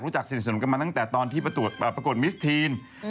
รู้จักสินสนมกันมาตั้งแต่ตอนที่ประกวดมิสทีน